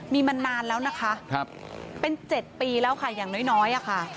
มีมานานแล้วนะคะเป็น๗ปีแล้วค่ะอย่างน้อยอะค่ะ